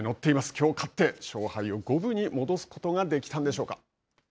きょう勝って勝敗を五分に戻すことができたんでしょうか。